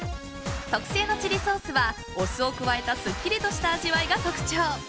特製のチリソースはお酢を加えたすっきりとした味わいが特徴。